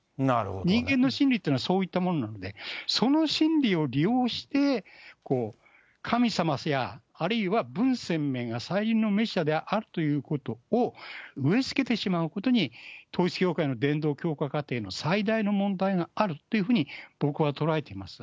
人間の心理というのはそういったものなので、その心理を利用して、神様、あるいは文鮮明が再臨のメシアであるということを植えつけてしまうことに統一教会の伝道きょうか過程の最大の問題があるっていうふうに、僕は捉えています。